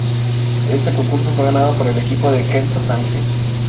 Este concurso fue ganado por el equipo de Kenzo Tange.